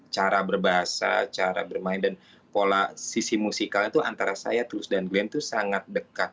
cara berbahasa cara bermain dan pola sisi musikalnya itu antara saya terus dan glenn itu sangat dekat